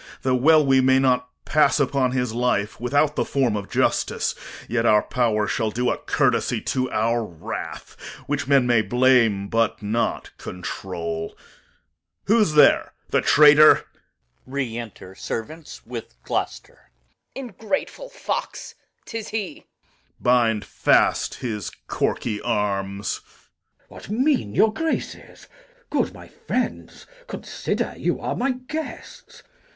] Though well we may not pass upon his life Without the form of justice, yet our power Shall do a court'sy to our wrath, which men May blame, but not control. Enter Gloucester, brought in by two or three. Who's there? the traitor? Reg. Ingrateful fox! 'tis he. Corn. Bind fast his corky arms. Glou. What mean, your Graces? Good my friends, consider You are my guests.